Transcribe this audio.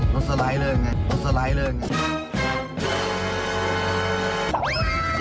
รถสไลด์เริ่มไงรถสไลด์เริ่มไง